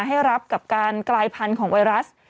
ให้รับกับการกลายพันธุ์ของไวรัส